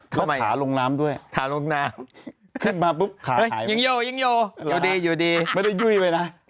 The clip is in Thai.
แล้วขาลงน้ำด้วยขาลงน้ำขึ้นมาปุ๊บขายังโยยังโยยังโยไม่ได้ยุ่ยไปน่ะ